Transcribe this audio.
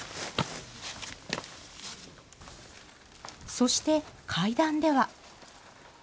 そして階段では。